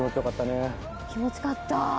気持ち良かったね。